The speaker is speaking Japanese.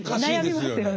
悩みますよね。